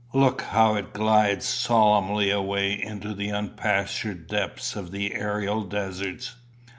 Look how it glides solemnly away into the unpastured depths of the aerial deserts.